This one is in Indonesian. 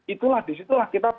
itulah disitulah kita